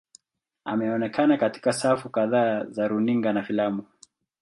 Ameonekana katika safu kadhaa za runinga na filamu.